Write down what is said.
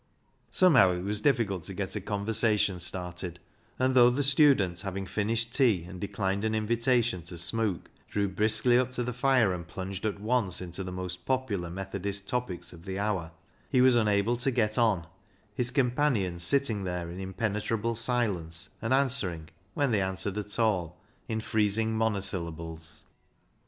Somehow it was difficult to get a conversation started ; and though the student, having finished tea and declined an invitation to " smook," drew briskly up to the fire and plunged at once into the most popular Methodist topics of the hour, he was unable to get on, his companions sitting there in impenetrable silence, and answering — when they answered at all — in freezing mono syllables.